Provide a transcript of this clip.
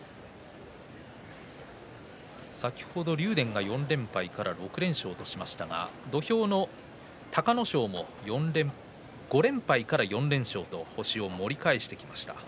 竜電が４連敗から６連勝としましたが土俵の隆の勝も５連敗から４連勝と星を盛り返してきました。